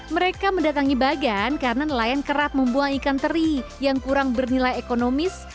mereka mendatangi bagan karena nelayan kerap membuang ikan teri yang kurang bernilai ekonomis